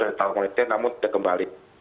dari tahun ke sembilan tahun namun tidak kembali